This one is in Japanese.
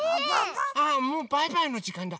あっもうバイバイのじかんだ。